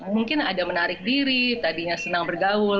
mungkin ada menarik diri tadinya senang bergaul